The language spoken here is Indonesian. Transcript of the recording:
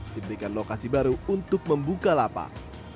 diberikan lokasi baru untuk membuka lapak